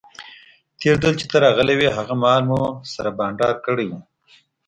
تیر ځل چې ته راغلی وې هغه مهال مو سره بانډار کړی وو.